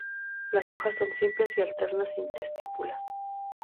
Las hojas son simples y alternas, sin estípulas.